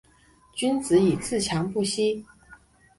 君子以自强不息